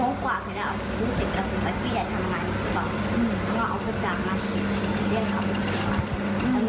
มันกำลังมาเล่นแบบนี้มาเข้ามาส่วนมาช่างกับเพื่อนพี่พึ่งน้องอ่ะ